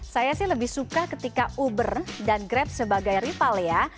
saya sih lebih suka ketika uber dan grab sebagai rival ya